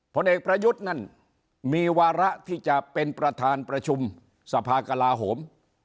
ผลเอกประยุทธ์นั่นมีวาระที่จะเป็นประธานประชุมสภากลาโหม